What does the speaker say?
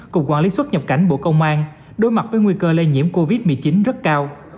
cục quản lý xuất nhập cảnh bộ công an đối mặt với nguy cơ lây nhiễm covid một mươi chín rất cao